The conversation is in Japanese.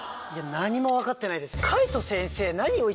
何も分かってないです。